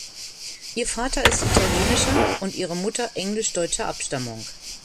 Ihr Vater ist italienischer und ihre Mutter englisch-deutscher Abstammung.